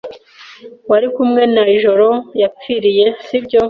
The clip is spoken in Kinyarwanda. Wari kumwe na ijoro yapfiriye, si byo?